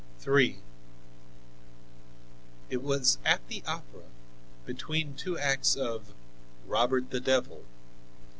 III It was at the opera, between two acts of "Robert the Devil."